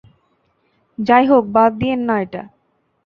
যাইহোক, বাদ দিয়েন না এটা।